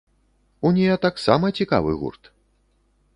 Унія таксама цікавы гурт!